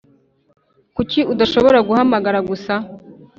kuki udashobora guhamagara gusa